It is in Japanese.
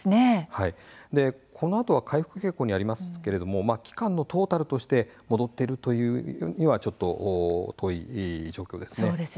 そのあとは回復傾向にありますけれども期間のトータルとして戻っているとは言い切れない状況です。